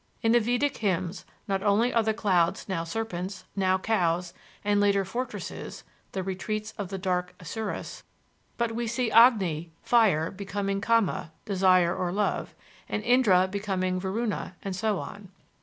In the vedic hymns not only are the clouds now serpents, now cows and later fortresses (the retreats of dark Asuras), but we see Agni (fire) becoming Kama (desire or love), and Indra becoming Varuna, and so on.